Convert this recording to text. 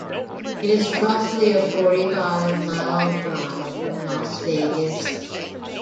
It is roughly a forty-five mile drive from Las Vegas.